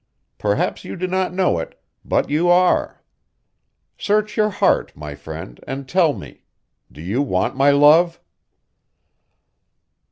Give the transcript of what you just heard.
Perhaps you do not know it, but you are. Search your heart, my friend, and tell me do you want my love?"